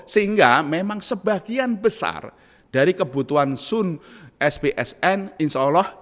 sehingga memang sebagian besar dari kebutuhan sun sbsn insya allah